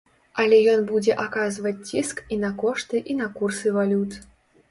Але ён будзе аказваць ціск і на кошты і на курсы валют.